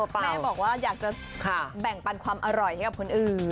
แม่บอกว่าอยากจะแบ่งปันความอร่อยให้กับคนอื่น